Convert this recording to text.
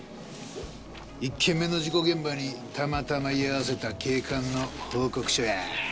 １件目の事故現場にたまたま居合わせた警官の報告書や。